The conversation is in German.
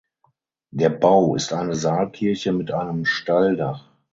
Der Bau ist eine Saalkirche mit einem Steildach.